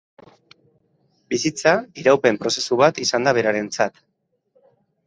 Bizitza iraupen prozesu bat izan da berarentzat.